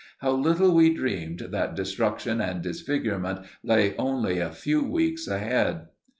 How little we dreamed that destruction and disfigurement lay only a few weeks ahead!